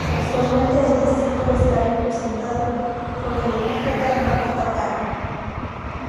Actualmente el distrito está representado por el Demócrata Mark Takano.